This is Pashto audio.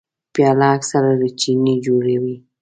پیاله اکثره له چیني جوړه وي.